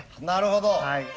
なるほど。